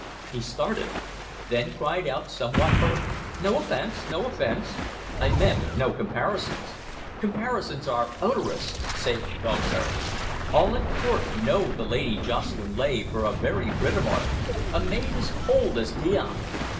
He started; then cried out somewhat hurriedly: "No offense, no offense! I meant no comparisons; comparisons are odorous, saith Dogberry. All at court know the Lady Jocelyn Leigh for a very Britomart, a maid as cold as Dian!"